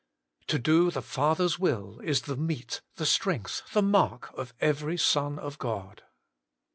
To do the Father's will is the meat, the strength, the mark, of every son of God.